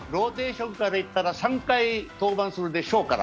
ローテーションからいったら３回登板するでしょうから。